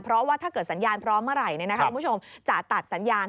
เพราะว่าถ้าเกิดสัญญาณพร้อมเมื่อไหร่คุณผู้ชมจะตัดสัญญาณ